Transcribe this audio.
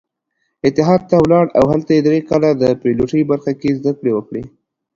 اتحاد ته ولاړ او هلته يې درې کاله د پيلوټۍ برخه کې زدکړې وکړې.